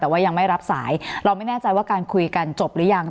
แต่ว่ายังไม่รับสายเราไม่แน่ใจว่าการคุยกันจบหรือยัง